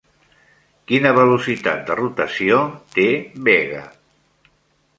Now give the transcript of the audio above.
Quina velocitat de rotació té Vega?